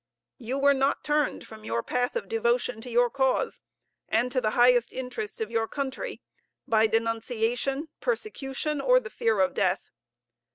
You were not turned from your path of devotion to your cause, and to the highest interests of your country, by denunciation, persecution, or the fear of death.